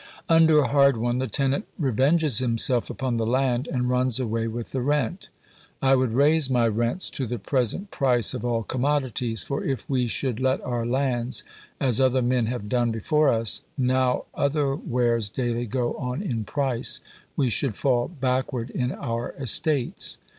Under a hard one, the tenant revenges himself upon the land, and runs away with the rent. I would raise my rents to the present price of all commodities: for if we should let our lands, as other men have done before us, now other wares daily go on in price, we should fall backward in our estates."